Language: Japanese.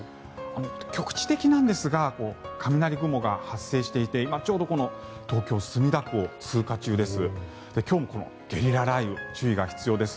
局地的なんですが雷雲が発生していてちょうどこの東京・墨田区を通過中です。